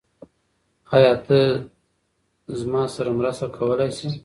آیا ته له ما سره مرسته کولی شې؟